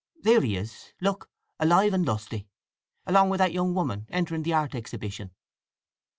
There he is, look, alive and lusty; along with that young woman, entering the art exhibition."